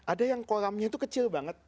ada yang kolamnya itu kecil banget